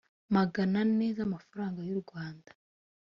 magana ane z amafaranga y u rwanda